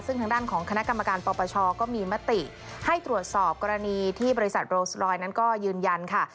ซึ่งทางด้านของคณะกรรมการปปชก็มีมติให้ตรวจสอบกรณีที่บริษัทโรสรอยนั้นก็ยืนยันค่ะ